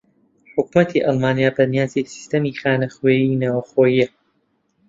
حوکمەتی ئەڵمانیا بەنیازی سیستەمی خانە خوێی ناوەخۆییە